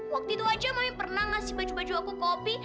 waktu itu aja may pernah ngasih baju baju aku kopi